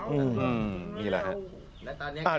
อืมมีแล้วครับ